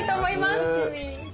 わ楽しみ。